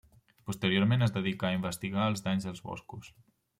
Posteriorment es dedicà a investigar els danys als boscos.